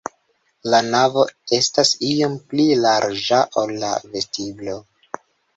La navo estas iom pli larĝa, ol la vestiblo.